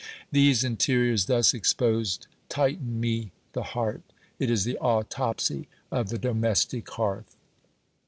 These interiors thus exposed tighten me the heart. It is the autopsy of the domestic hearth.